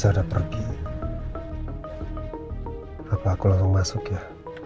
bisa ada pergi apa aku langsung masuk ya